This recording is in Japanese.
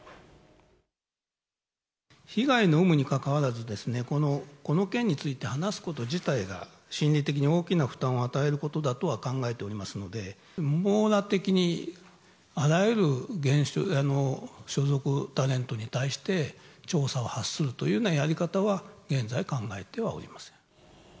被害の有無にかかわらずですね、この件について話すこと自体が心理的に大きな負担を与えることだとは考えておりますので、網羅的にあらゆる所属タレントに対して、調査を発するというようなやり方は、現在考えてはおりません。